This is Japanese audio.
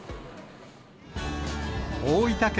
大分県